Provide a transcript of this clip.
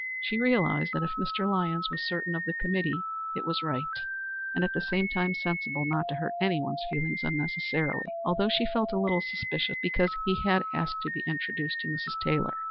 She realized that if Mr. Lyons was certain of the committee, it was right, and at the same time sensible, not to hurt anyone's feelings unnecessarily although she felt a little suspicious because he had asked to be introduced to Mrs. Taylor.